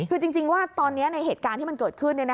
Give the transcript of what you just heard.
คือจริงว่าตอนนี้ในเหตุการณ์ที่มันเกิดขึ้น